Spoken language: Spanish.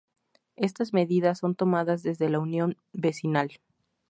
Estas medidas son tomadas desde la Unión Vecinal.